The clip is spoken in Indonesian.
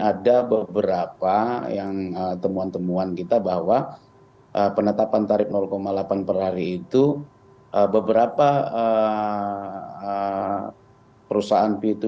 ada beberapa yang temuan temuan kita bahwa penetapan tarif delapan per hari itu beberapa perusahaan vito